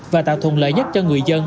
và tạo thuận lợi nhất cho người dân